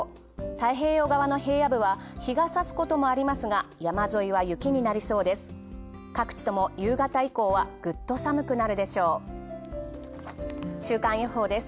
太平洋側の平野部は日が差すこともありますが、山沿いは雪になりそうです。